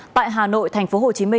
tại hà nội tp hcm